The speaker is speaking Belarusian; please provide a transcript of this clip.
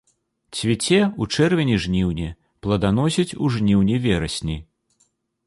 Цвіце ў чэрвені-жніўні, пладаносіць у жніўні-верасні.